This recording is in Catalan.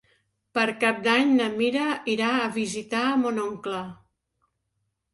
Per Cap d'Any na Mira irà a visitar mon oncle.